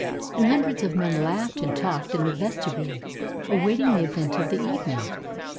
And hundreds of men laughed and talked in the vestibule, awaiting the event of the evening.